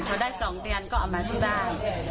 พอได้๒เดือนก็เอามาที่บ้าน